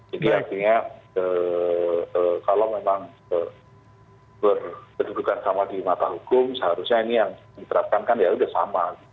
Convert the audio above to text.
jadi artinya kalau memang bergedudukan sama di mata hukum seharusnya ini yang diterapkan kan ya sudah sama